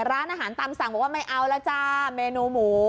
ร้านอาหารตามสั่งบอกว่าไม่เอาแล้วจ้าเมนูหมู